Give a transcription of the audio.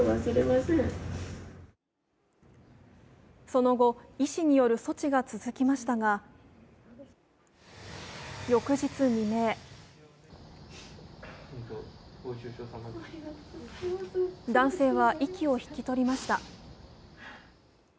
その後、医師による措置が続きましたが翌日未明男性は息を引き取りました。